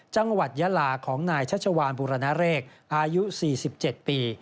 จังหวัดยาลาของนายชัชวานบุรณเรกอายุ๔๗ปี